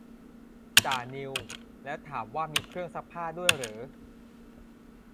จ่านิว แล้วถามว่ามีเครื่องซักผ้าด้วยเหรอ